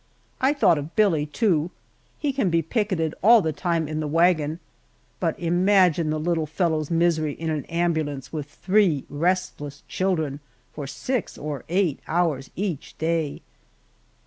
I thought of Billie, too. He can be picketed all the time in the wagon, but imagine the little fellow's misery in an ambulance with three restless children for six or eight hours each day!